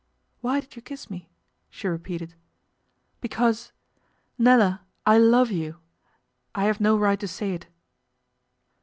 'Why did you kiss me?' she repeated. 'Because Nella! I love you. I have no right to say it.